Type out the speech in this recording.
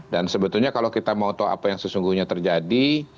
dan sebetulnya kalau kita mau tahu apa yang sesungguhnya terjadi